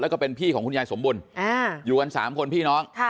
แล้วก็เป็นพี่ของคุณยายสมบุญอยู่กัน๓คนพี่น้อง